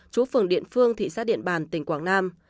chú phường điện phương thị xã điện bàn tỉnh quảng nam